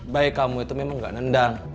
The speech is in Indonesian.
baik kamu itu memang gak nendang